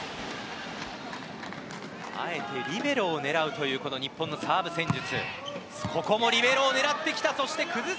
あえてリベロを狙う日本のサーブ戦術。